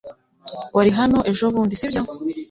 Wari hano ejobundi sibyo